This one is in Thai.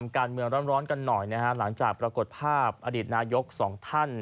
การเมืองร้อนกันหน่อยนะฮะหลังจากปรากฏภาพอดีตนายกสองท่าน